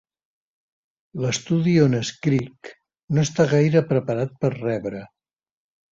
L'estudi on escric no està gaire preparat per rebre.